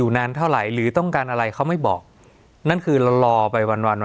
สวัสดีครับทุกผู้ชม